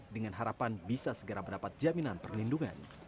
dengan harapan bisa segera mendapat jaminan perlindungan